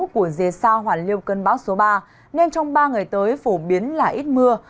của dây sao hoàn liêu cơn bão số ba nên trong ba ngày tới phổ biến là ít mưa